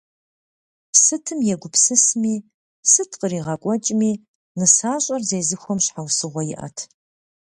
Сытым егупсысми, сыт къригъэкӏуэкӏми, нысащӏэр зезыхуэм щхьэусыгъуэ иӏэт.